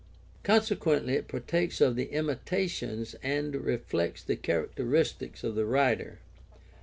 Consequently it partakes of the Hmitations and reflects the characteristics of the writer.